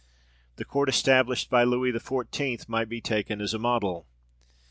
The court established by Louis XIV. might be taken as a model.